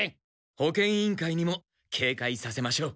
保健委員会にもけいかいさせましょう。